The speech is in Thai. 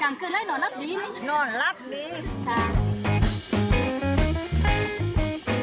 นอนรับดี